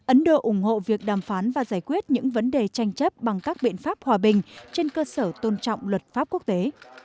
ấn độ ủng hộ việc đàm phán và giải quyết những vấn đề tranh chấp bằng các biện pháp hòa bình trên cơ sở tôn trọng luật pháp quốc tế